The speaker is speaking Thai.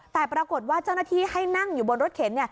แต่ปรากฏว่าเจ้าหน้าที่ให้นั่งอยู่บนรถเข็น